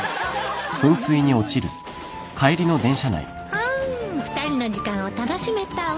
ハァ２人の時間を楽しめたわ。